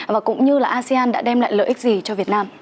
và cũng như là asean đã đem lại lợi ích gì cho việt nam